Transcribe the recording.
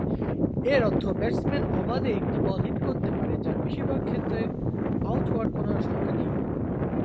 এর অর্থ ব্যাটসম্যান অবাধে একটি বল হিট করতে পারে যার বেশিরভাগ ক্ষেত্রে আউট হওয়ার কোনও আশঙ্কা নেই।